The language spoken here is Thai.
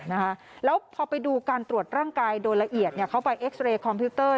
นะคะแล้วพอไปดูการตรวจร่างกายโดยละเอียดเนี่ยเขาไปเอ็กซ์เรย์คอมพิวเตอร์